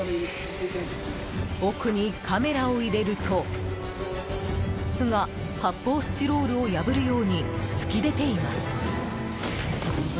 奥にカメラを入れると巣が発泡スチロールを破るように突き出ています。